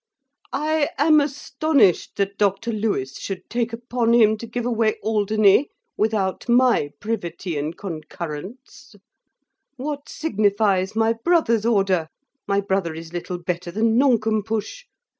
I am astonished that Dr Lewis should take upon him to give away Alderney, without my privity and concurrants What signifies my brother's order? My brother is little better than Noncompush.